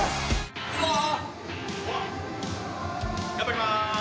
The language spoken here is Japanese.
頑張ります。